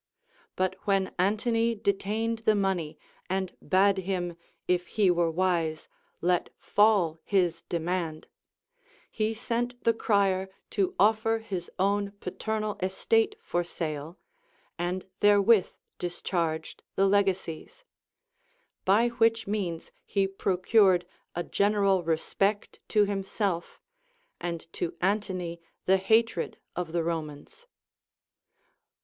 But Avhen Antony detained the money, and bade him, if he were wise, let fall his demand, he sent the crier to offer his own paternal estate for sale, and therewith discharged the legacies ; by which means he procured a general respect to himself, and to Antony the hatred of the Romans.